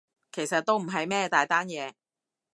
其實都唔係咩大單嘢